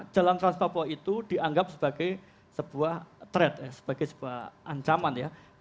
jalan trans papua itu dianggap sebagai sebuah ancaman